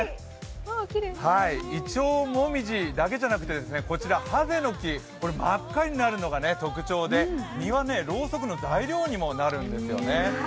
いちょう、もみじだけじゃなくてハゼノキ、これ真っ赤になるのが特徴で、実はろうそくの材料にもなるんですよね。